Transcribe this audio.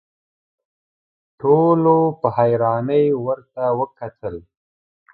ټولو په حيرانۍ ورته وکتل.